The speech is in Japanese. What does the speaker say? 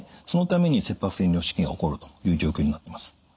そのために切迫性尿失禁が起こるという状況になってます。